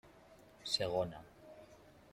Segona.